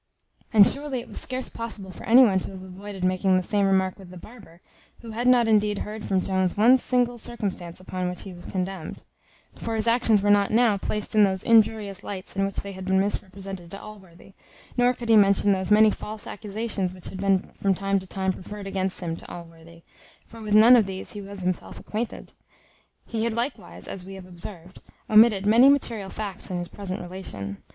And surely it was scarce possible for any one to have avoided making the same remark with the barber, who had not indeed heard from Jones one single circumstance upon which he was condemned; for his actions were not now placed in those injurious lights in which they had been misrepresented to Allworthy; nor could he mention those many false accusations which had been from time to time preferred against him to Allworthy: for with none of these he was himself acquainted. He had likewise, as we have observed, omitted many material facts in his present relation.